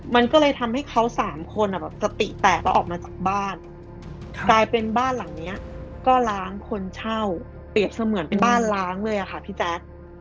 มันก็เลยทำให้เขาสามคนสติแตกก็ออกมาจากบ้านกลายเป็นบ้านหลังเนี้ยก็ล้างคนเช่าเปรียบเสมือนเป็นบ้านล้างเลยอะค่ะพี่แจ๊ค